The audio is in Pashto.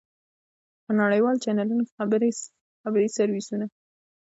په نړیوالو چېنلونو کې خبري سرویسونه.